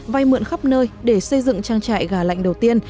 vay mượn khắp nơi để xây dựng trang trại gà lạnh đầu tiên